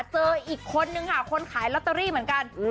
เจออีกคนนึงค่ะคนขายลอตเตอรี่เหมือนกัน